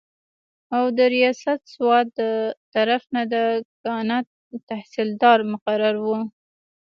او د رياست سوات دطرف نه د کاڼا تحصيلدار مقرر وو